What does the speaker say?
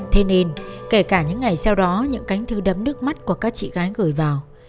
thế nên kể cả những ngày sau đó những cánh thư đấm nước mắt của các chị gái gửi vào